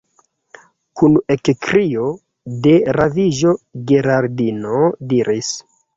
Kun ekkrio de raviĝo Geraldino diris: